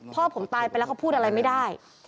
พ่อผมตายไปแล้วเขาพูดอะไรไม่ได้